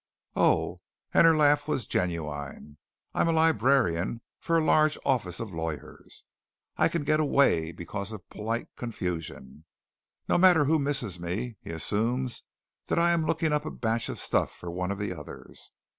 "Oh," and her laugh was genuine. "I'm librarian for a large office of lawyers. I can get away because of polite confusion. No matter who misses me, he assumes that I am looking up a batch of stuff for one of the others.